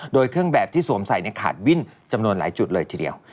โดยเครื่องแบบที่สวมใส่ขาดวิ่นจำนวนหลายจุดเลยทีเดียว